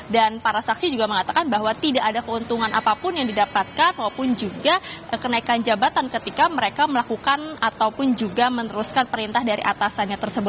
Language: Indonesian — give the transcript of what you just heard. dan para saksi juga mengatakan bahwa tidak ada keuntungan apapun yang didapatkan maupun juga kenaikan jabatan ketika mereka melakukan ataupun juga meneruskan perintahnya